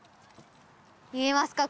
見えますか？